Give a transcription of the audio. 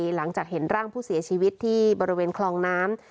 หลังจากเห็นร่างผู้เสียชีวิตที่บริเวณคลองน้ำ